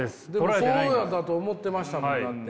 そうやと思ってましたもんだって。